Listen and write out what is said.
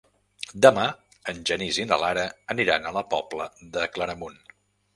Demà en Genís i na Lara aniran a la Pobla de Claramunt.